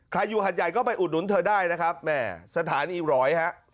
อยู่หัดใหญ่ก็ไปอุดหนุนเธอได้นะครับแม่สถานีร้อยฮะ